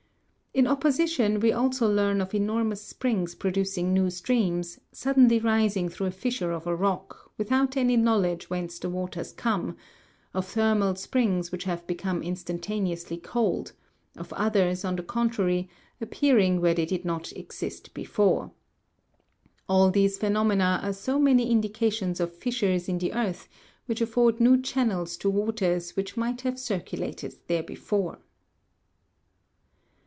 In opposition, we also learn of enormous springs producing new streams, suddenly rising through a fissure of a rock, without any knowledge whence the waters come : of thermal springs which have become instantaneously cold ; of others, on the contrary, appearing where they did not exist before. All these phenomena are so many indications of fissures in the earth, which afford new channels to waters which might have circulated there before.